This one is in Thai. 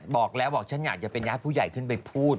บอกแล้วเดี๋ยวจะเป็นยาร์ดผู้ใหญ่ขึ้นไปพูด